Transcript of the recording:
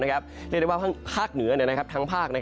เรียกได้ว่าภาคเหนือทั้งภาค